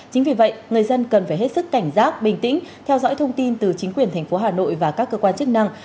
chính vì vậy người dân cần phải hết sức cảnh giác bình tĩnh theo dõi thông tin từ chính quyền thành phố hà nội và các cơ quan chức năng